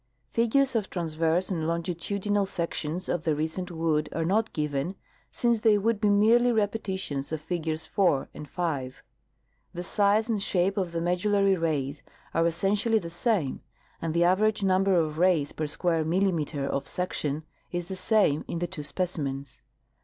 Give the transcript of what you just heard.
Figures of transverse and longitudinal sections of the recent wood are not given, since they Avould be merely repetitions of figures 4 and 5. The size and shape of the medullary rays are essentially the same, and the average number of rays joer square millimeter of section is the same in the two specimens.